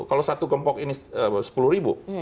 kalau satu kelompok ini sepuluh ribu